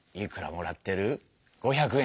５００円？